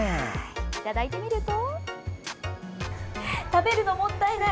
いただいてみると。